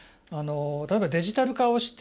例えば、デジタル化をして。